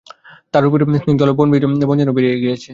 তার রূপের স্নিগ্ধ আলোয় বন যেন ভরিয়া গিয়াছে।